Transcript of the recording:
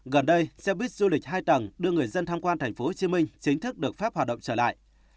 gần đây xe buýt du lịch hai tầng đưa người dân tham quan tp hcm chính thức được phép hoạt động trở lại